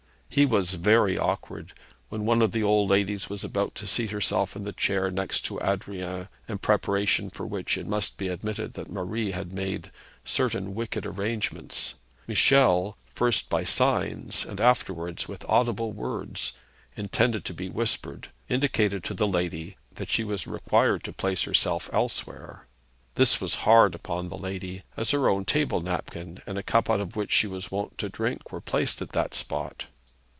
He was very awkward. When one of the old ladies was about to seat herself in the chair next to Adrian in preparation for which it must be admitted that Marie had made certain wicked arrangements Michel first by signs and afterwards with audible words, intended to be whispered, indicated to the lady that she was required to place herself elsewhere. This was hard upon the lady, as her own table napkin and a cup out of which she was wont to drink were placed at that spot.